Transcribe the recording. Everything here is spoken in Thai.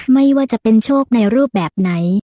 ไม่ว่าจะเป็นโชคในรูปแบบไหน